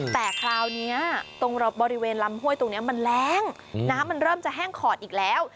แต่คราวนี้ตรงบริเวณลำห้วยตรงนี้มันแรงน้ำมันเริ่มจะแห้งขอดอีกแล้ว